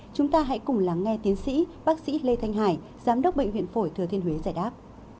chúng ta hãy cùng lắng nghe tiến sĩ bác sĩ lê thanh hải giám đốc bệnh viện phổi thừa thiên huế giải đáp